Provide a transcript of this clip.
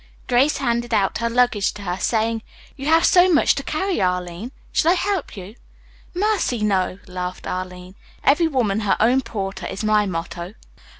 Grace handed out her luggage to her, saying: "You have so much to carry, Arline. Shall I help you?" "Mercy, no," laughed Arline. "'Every woman her own porter,' is my motto."